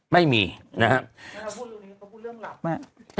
ไม่มีนะฮะเขาพูดเรื่องหลับไหม